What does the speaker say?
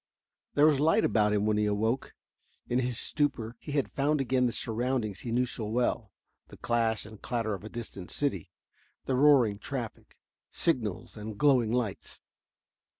There was light about him when he awoke. In his stupor he had found again the surroundings he knew so well the clash and clatter of a distant city the roaring traffic signals, and glowing lights.